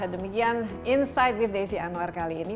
demikian insight with desi anwar kali ini